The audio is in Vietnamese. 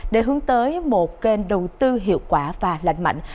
để hướng tới một kênh đầu tư hiệu quả và lạnh mạnh